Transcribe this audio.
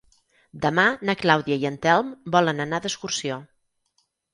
Demà na Clàudia i en Telm volen anar d'excursió.